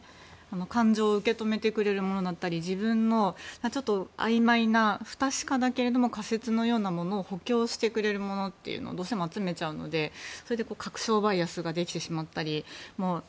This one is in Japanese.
感情を受け止めてくれるものだったり自分のあいまいな不確かだけれども仮説のようなものを補強してくれるものをどうしても集めちゃうのでそれで確証バイアスができてしまったり。